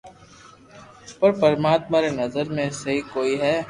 پر پرماتما ري نظر ۾ سھي ڪوئي ھي